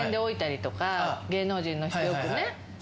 芸能人の人よくね。